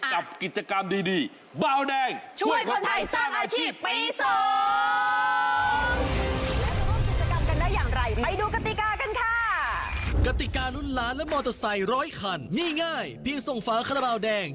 กับกิจกรรมดีบาวแดง